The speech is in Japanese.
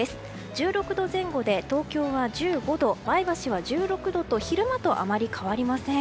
１６度前後で東京は１５度、前橋は１６度と昼間とあまり変わりません。